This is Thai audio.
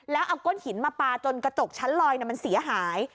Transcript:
แล้วเอาก้นหินมาปลาจนกระจกชั้นลอยมันเสียหาย